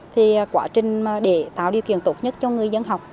thì quá trình để tạo điều kiện tốt nhất cho người dân học